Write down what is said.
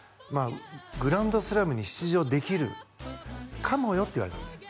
「グランドスラムに出場できるかもよ」って言われたんですよ